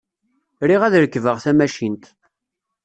Riɣ ad rekbeɣ tamacint.